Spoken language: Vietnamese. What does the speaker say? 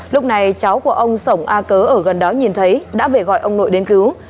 lúc này cháu của ông sổng a cớ ở gần đó nhìn thấy đã về gọi ông nội đến cứu